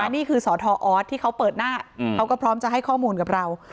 นี่คือสทออสที่เขาเปิดหน้าเขาก็พร้อมจะให้ข้อมูลกับเรา